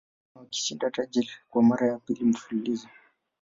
ghana wakashinda taji kwa mara ya pili mfululizo